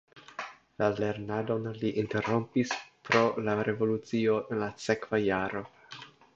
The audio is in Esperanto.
La lernadon li interrompis pro la revolucio en la sekva jaro.